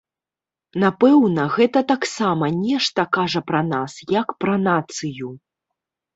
Напэўна, гэта таксама нешта кажа пра нас як пра нацыю.